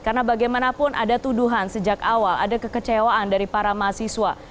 karena bagaimanapun ada tuduhan sejak awal ada kekecewaan dari para mahasiswa